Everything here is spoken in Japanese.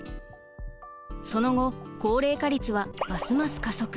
その後高齢化率はますます加速。